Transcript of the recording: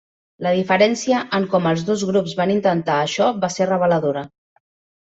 La diferència en com els dos grups van intentar això va ser reveladora.